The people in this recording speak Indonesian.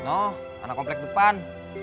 noh anak komplek depan